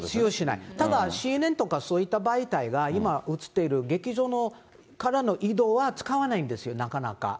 ただ、ＣＮＮとかそういった媒体が今、映っている劇場からの移動そうなんですか？